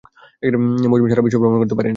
Magellan সারাবিশ্ব ভ্রমণ করতে পারেনি।